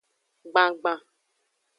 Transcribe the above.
Gbangban.